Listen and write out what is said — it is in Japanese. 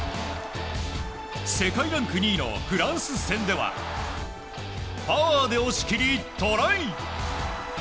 世界ランク２位のフランス戦ではパワーで押し切りトライ！